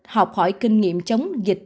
học hỏi kinh nghiệm chống dịch